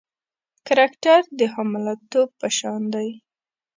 کرکټر د حامله توب په شان دی.